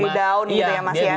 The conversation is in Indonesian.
di down gitu ya mas ya